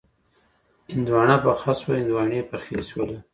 هندواڼه پخه شوه، هندواڼې پخې شولې